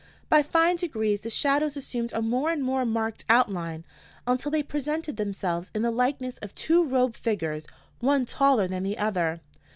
By fine degrees the shadows assumed a more and more marked outline, until they presented themselves in the likeness of two robed figures, one taller than the other.